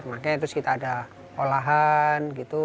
makanya terus kita ada olahan gitu